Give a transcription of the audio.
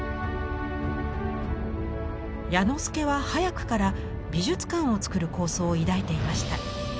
彌之助は早くから美術館を造る構想を抱いていました。